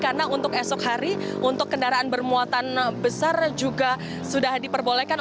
karena untuk esok hari untuk kendaraan bermuatan besar juga sudah diperbolehkan